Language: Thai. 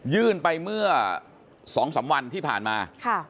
ยื่นไปเมื่อ๒๓วันที่ผ่านมา